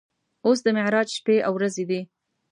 اوس د معراج شپې او ورځې دي.